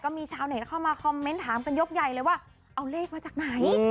มีชาวเน็ตเข้ามาคอมเมนต์ถามกันยกใหญ่เลยว่าเอาเลขมาจากไหน